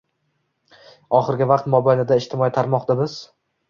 Ohirgi vaqt mobaynida ijtimoiy tarmoqda biz